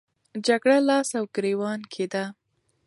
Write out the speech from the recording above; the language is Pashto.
جګړه لاس او ګریوان کېده.